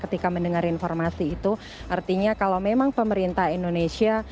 ketika mendengar informasi itu artinya kalau memang pemerintah indonesia